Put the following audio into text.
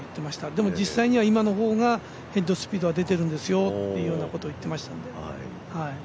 でも実際には今の方がヘッドスピードは出てるんですよということを言っていました。